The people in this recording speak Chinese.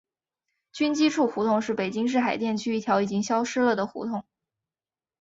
军机处胡同是北京市海淀区一条已经消失了的胡同。